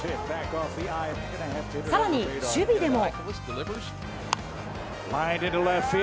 更に、守備でも。